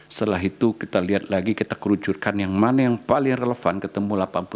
setelah itu kita lihat lagi kita kerucurkan yang mana yang paling relevan ketemu delapan puluh